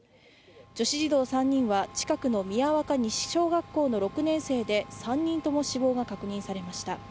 女子児童３人は近くの宮若西小学校の６年生で、３人とも死亡が確認されました。